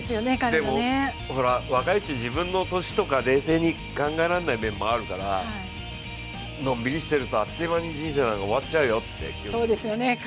でも、若いし、自分の年とか冷静に考えられない面もあるからのんびりしてると、あっという間に人生なんて終わっちゃうよって。